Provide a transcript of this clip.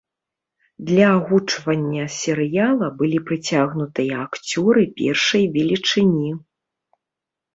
Для агучвання серыяла былі прыцягнутыя акцёры першай велічыні.